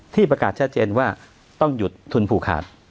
ประกาศชัดเจนว่าต้องหยุดทุนผูกขาด